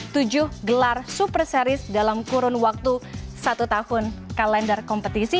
tujuh gelar super series dalam kurun waktu satu tahun kalender kompetisi